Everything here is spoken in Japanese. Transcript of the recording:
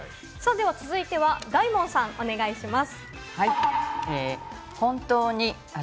続いて大門さん、お願いします。